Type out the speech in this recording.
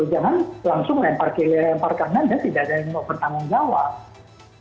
jangan langsung lempar ke kiri lempar ke kanan dan tidak ada yang mau bertanggung jawab